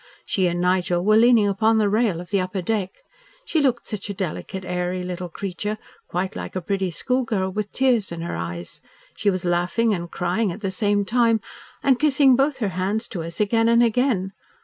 She and Nigel were leaning upon the rail of the upper deck. She looked such a delicate, airy little creature, quite like a pretty schoolgirl with tears in her eyes. She was laughing and crying at the same time, and kissing both her hands to us again and again.